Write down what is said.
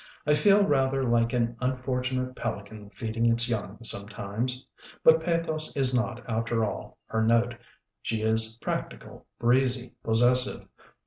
I feel rather like an un fortunate pelican feeding its young, sometimes." But pathos is not, after all, her note. She is1 practical, breezy, possessive.